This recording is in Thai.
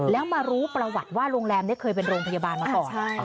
แล้วมารู้ประวัติว่าโรงแรมนี้เคยเป็นโรงพยาบาลมาก่อน